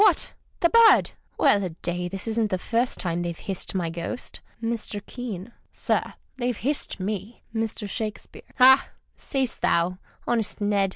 — What ! the " bird "! Well a day, this isn't the first time they've hissed my Ghost. Mr. Keax. — Sir, they've hissed 7ne 1 Mr. Shakespeare. — Ha ! say'st thou, honest Ned